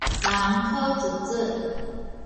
人洘秫秫